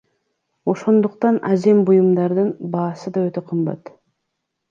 Ошондуктан азем буюмдардын баасы да өтө кымбат эмес.